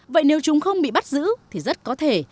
vậy nếu chúng không bị bắt giữ thì rất có thể